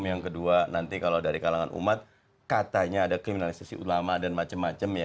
yang kedua nanti kalau dari kalangan umat katanya ada kriminalisasi ulama dan macam macam ya